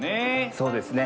そうですね。